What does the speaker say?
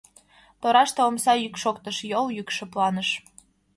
Тораште омса йӱк шоктыш, йол йӱк шыпланыш.